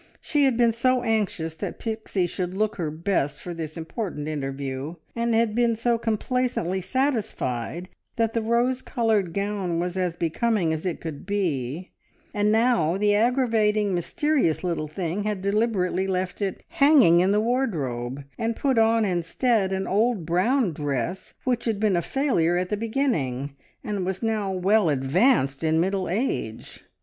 She had been so anxious that Pixie should look her best for this important interview, had been so complacently satisfied that the rose coloured gown was as becoming as it could be, and now the aggravating, mysterious little thing had deliberately left it hanging in the wardrobe, and put on instead an old brown dress which had been a failure at the beginning, and was now well advanced in middle age.